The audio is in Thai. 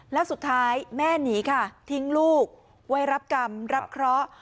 แล้วสุดท้ายแม่หนีค่ะทิ้งลูกไว้รับกรรมรับเคราะห์